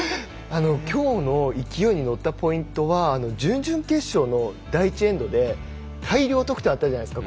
きょうの勢いに乗ったポイントは準々決勝の第１エンドで大量得点あったじゃないですか？